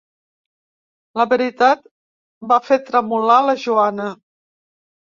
La veritat va fer tremolar la Joana.